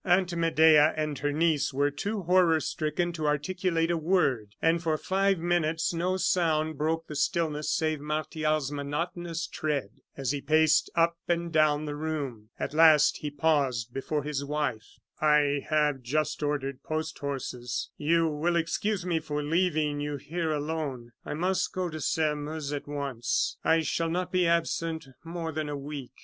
Aunt Medea and her niece were too horror stricken to articulate a word, and for five minutes no sound broke the stillness save Martial's monotonous tread, as he paced up and down the room. At last he paused before his wife. "I have just ordered post horses. You will excuse me for leaving you here alone. I must go to Sairmeuse at once. I shall not be absent more than a week."